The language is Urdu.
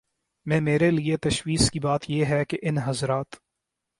میں میرے لیے تشویش کی بات یہ ہے کہ ان حضرات